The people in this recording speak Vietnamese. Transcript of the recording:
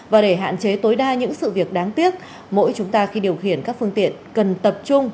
và để hạn chế tối đa những sự việc đáng tiếc mỗi chúng ta khi điều khiển các phương tiện cần tập trung